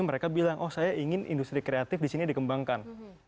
mereka bilang oh saya ingin industri kreatif disini dikembangkan